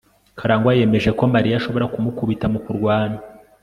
karangwa yemeje ko mariya ashobora kumukubita mu kurwana